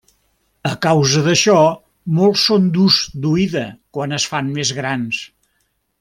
A causa d'això molts són durs d'oïda quan es fan més grans.